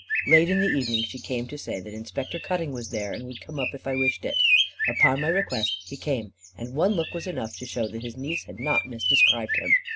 Late in the evening, she came to say that Inspector Cutting was there, and would come up if I wished it. Upon my request he came, and one look was enough to show that his niece had not misdescribed him.